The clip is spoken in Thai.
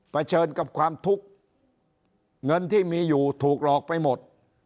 เฉินกับความทุกข์เงินที่มีอยู่ถูกหลอกไปหมด